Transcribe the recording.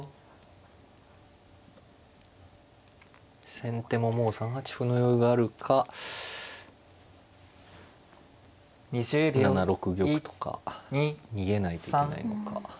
先手ももう３八歩の余裕があるか７六玉とか逃げないといけないのか。